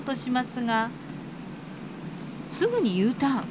すぐにＵターン。